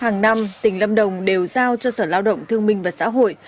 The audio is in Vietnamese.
hàng năm tỉnh lâm đồng đều giao cho sở lao động thương minh và xã hội